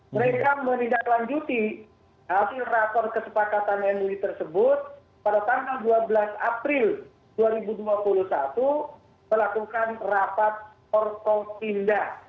mereka menindaklanjuti hasil rakon kesepakatan mui tersebut pada tanggal dua belas april dua ribu dua puluh satu melakukan rapat korpo pindah